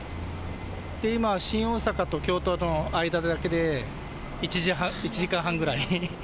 で、今、新大阪と京都の間だけで１時間半ぐらい。